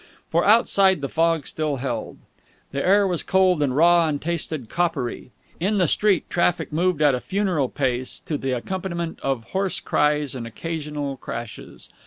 For outside the fog still held. The air was cold and raw and tasted coppery. In the street traffic moved at a funeral pace, to the accompaniment of hoarse cries and occasional crashes.